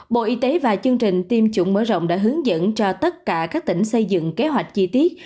bộ y tế và chương trình tiêm chủng mở rộng đã hướng dẫn cho tất cả các tỉnh xây dựng kế hoạch chi tiết